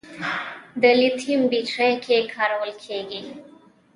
د لیتیم بیټرۍ کې کارول کېږي.